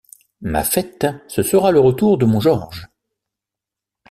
Ma fête, ce sera le retour de mon Georges.